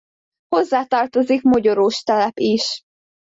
Hozzá tartozik Mogyorós telep is.